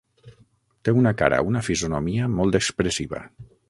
Té una cara, una fisonomia, molt expressiva.